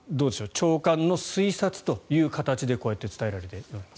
長官の推察という形でこうやって伝えられています。